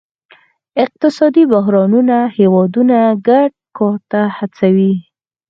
اقتصادي بحرانونه هیوادونه ګډ کار ته هڅوي